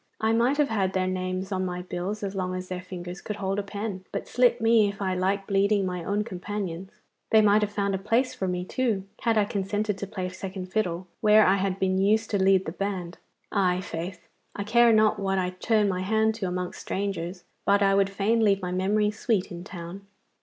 I might have had their names on my bills as long as their fingers could hold a pen, but slit me if I like bleeding my own companions. They might have found a place for me, too, had I consented to play second fiddle where I had been used to lead the band. I' faith, I care not what I turn my hand to amongst strangers, but I would fain leave my memory sweet in town.